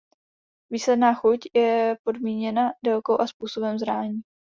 Výsledná chuť je podmíněna délkou a způsobem zrání.